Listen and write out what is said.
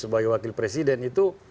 sebagai wakil presiden itu